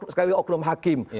sekali lagi oknum hakim